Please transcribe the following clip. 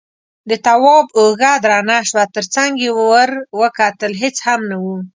د تواب اوږه درنه شوه، تر څنګ يې ور وکتل، هېڅ هم نه و.